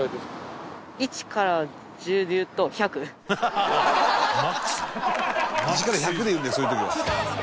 １から１００で言うんだよそういう時は。